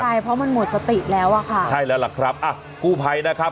ใช่เพราะมันหมดสติแล้วอ่ะค่ะใช่แล้วล่ะครับอ่ะกู้ภัยนะครับ